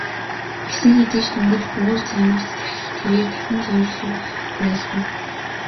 Гэсэн хэдий ч дөнгөж үүр цаймагц тэрээр дахин зоорьруу харайлгав.